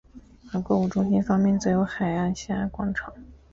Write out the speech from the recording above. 而购物中心方面则有海峡岸广场。